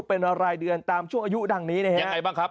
เป็นรายเดือนตามช่วงอายุดังนี้นะฮะยังไงบ้างครับ